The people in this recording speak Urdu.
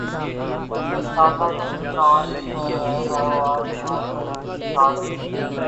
کاملہ شمسی اروندھتی رائے کے ناول ویمن پرائز کیلئے شارٹ لسٹ